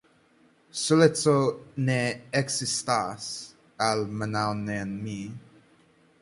Soleco ne ekzistas, almenaŭ ne en mi.